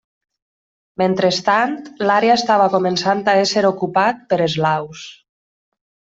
Mentrestant, l'àrea estava començant a ésser ocupat per eslaus.